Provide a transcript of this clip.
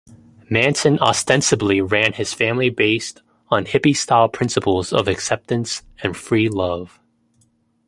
Manson ostensibly ran his Family based on hippie-style principles of acceptance and free love.